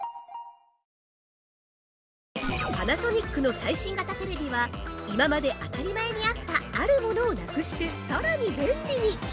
◆パナソニックの最新型テレビは今まで当たり前にあったあるものをなくしてさらに便利に！